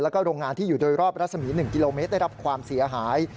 แล้วก็โรงงานที่อยู่โดยรอบรัศมี๑กิโลเมตรได้รับความเสียหาย